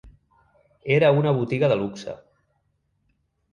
Era una botiga de luxe